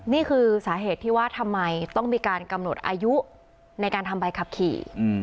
นี่คือสาเหตุที่ว่าทำไมต้องมีการกำหนดอายุในการทำใบขับขี่